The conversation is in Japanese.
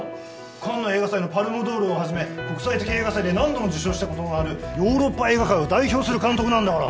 カンヌ映画祭のパルム・ドールをはじめ国際的映画祭で何度も受賞したことのあるヨーロッパ映画界を代表する監督なんだから。